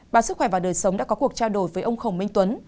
báo sức khỏe và đời sống đã có cuộc trao đổi với ông khổng minh tuấn